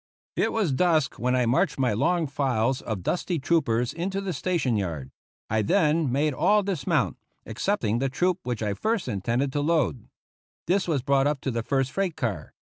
It was dusk when I marched my long files of dusty troopers into the station yard. I then made all dismount, excepting the troop which I first in tended to load. This was brought up to the first freight car.